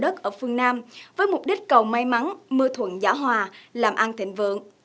đất ở phương nam với mục đích cầu may mắn mưa thuận gió hòa làm ăn thịnh vượng